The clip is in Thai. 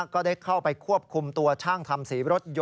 ก็ได้เข้าไปควบคุมตัวช่างทำสีรถยนต